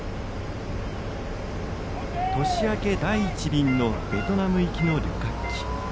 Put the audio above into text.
年明け第一便のベトナム行きの旅客機。